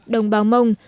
đồng bào mông